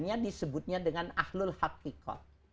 pencapaiannya disebutnya dengan ahlul haqqiqul